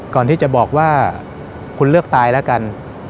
ก่อนที่จะบอกว่าคุณเลือกตายแล้วกัน